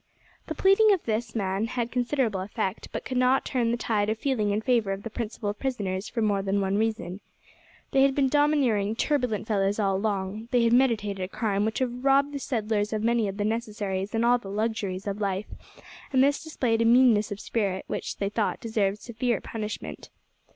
The pleading of this man had considerable effect, but it could not turn the tide of feeling in favour of the principal prisoners for more than one reason. They had been domineering, turbulent fellows all along; they had meditated a crime which would have robbed the settlers of many of the necessaries and all the luxuries of life, and this displayed a meanness of spirit which, they thought, deserved severe punishment.